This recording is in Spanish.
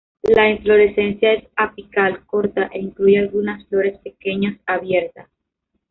La inflorescencia es apical, corta, e incluye algunas flores pequeñas abiertas.